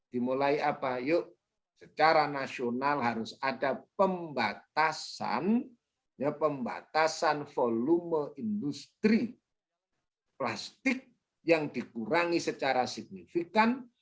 dimulai apa yuk secara nasional harus ada pembatasan volume industri plastik yang dikurangi secara signifikan